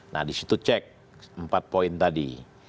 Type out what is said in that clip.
nah di situ cek empat poin tadi